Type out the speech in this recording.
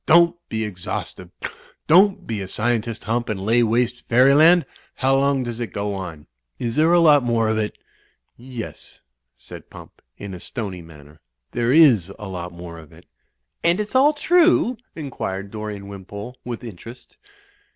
"Don't be exhaustive! Don't be a scientist. Hump, and lay waste fairyland! How long does it go on? Is there a lot more of it?" ''Yes," said Pump, in a stony manner. "There is a lot more of it." "And it's all true?" inquired Dorian Wimpole, with interest.